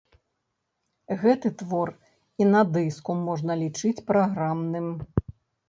Гэты твор і на дыску можна лічыць праграмным.